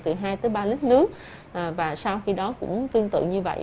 từ hai tới ba lít nước và sau khi đó cũng tương tự như vậy